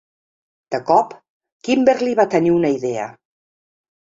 De cop, Kimberly va tenir una idea.